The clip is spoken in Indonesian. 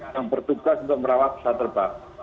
yang bertugas untuk merawat pesawat terbang